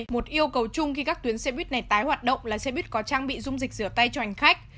một yêu cầu chung khi các tuyến xe buýt này tái hoạt động là xe buýt có trang bị dung dịch rửa tay cho hành khách